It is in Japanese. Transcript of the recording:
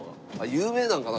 有名なんかな？